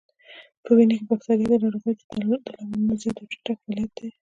په وینه کې بکتریا د ناروغیو د لاملونو زیات او چټک فعالیت دی.